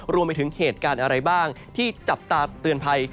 รวมไปถึงเหตุการณ์อะไรบ้างที่จับตาเตือนภัย